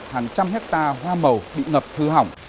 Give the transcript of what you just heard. hàng trăm hectare hoa màu bị ngập hư hỏng